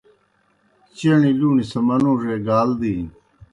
چݨیْ لُوݨیْ سہ منُوڙے گال دِینیْ۔